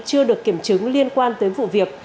chưa được kiểm chứng liên quan tới vụ việc